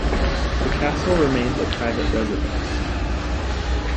The castle remains a private residence.